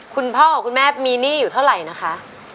คุณพ่อกับคุณแม่มีหนี้อยู่เท่าไหร่นะคะ